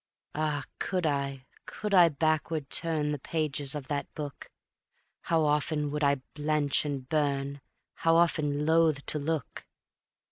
Ah, could I, could I backward turn The pages of that Book, How often would I blench and burn! How often loathe to look!